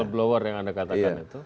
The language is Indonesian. misal blow up yang anda katakan itu